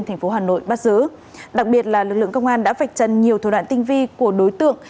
thành phố hà nội bắt giữ đặc biệt là lực lượng công an đã vạch chân nhiều thủ đoạn tinh vi của đối tượng